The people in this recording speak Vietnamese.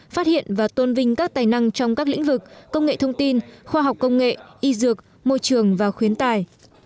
phát hiện và tôn vinh các tài năng trong các lĩnh vực công nghệ thông tin khoa học công nghệ y dược môi trường và khuyến tài